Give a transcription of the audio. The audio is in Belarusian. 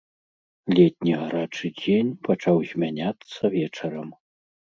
Летні гарачы дзень пачаў змяняцца вечарам.